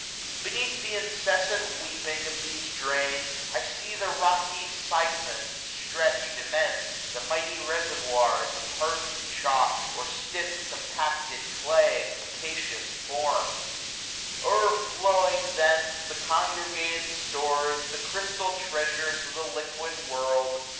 Beneath th' incessant weeping of these drains, I see the rocky siphons stretch'd immense } The mighty reservoirs, of hardened chalk. Or stiflf compacted clay, capacious form'd* ' 820 O'erflowing thence, the congregated stores. The crystal treasures of the liquid world.